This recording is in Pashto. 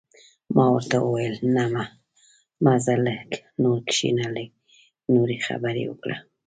ما ورته وویل: نه، مه ځه، لږ نور کښېنه، لږ نورې خبرې وکړه.